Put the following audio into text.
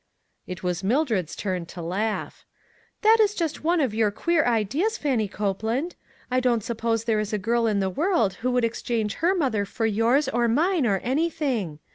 It was Mildred's turn to laugh. That is just one of your queer ideas, Fannie Copeland. I don't suppose there is a girl in the world who would exchange her mother for yours or mine for anything.